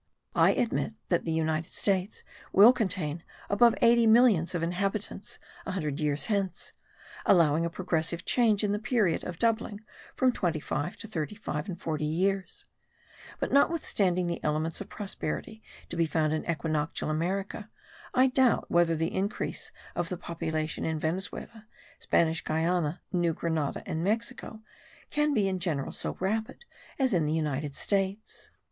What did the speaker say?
I admit that the United States will contain above eighty millions of inhabitants a hundred years hence, allowing a progressive change in the period of doubling from twenty five to thirty five and forty years; but, notwithstanding the elements of prosperity to be found in equinoctial America, I doubt whether the increase of the population in Venezuela, Spanish Guiana, New Grenada and Mexico can be in general so rapid as in the United States.